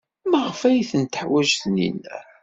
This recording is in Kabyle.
Maɣef ay ten-teḥwaj Taninna?